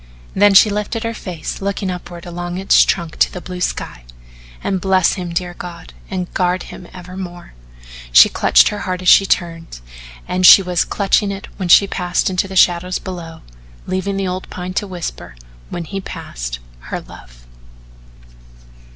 Then she lifted her face looking upward along its trunk to the blue sky. "And bless him, dear God, and guard him evermore." She clutched her heart as she turned, and she was clutching it when she passed into the shadows below, leaving the old Pine to whisper, when he passed, her love.